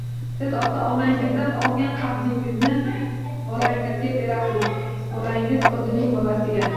Siz ota-onangizdan olgan qarzni bolangizga berasiz. Bolangiz o’zining bolasiga…